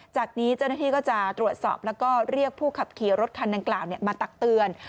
จากนี้เจ้าหน้าที่ก็จะตรวจสอบแล้วก็เรียกผู้ขับขี่รถคันดังกล่าวมาตักเตือน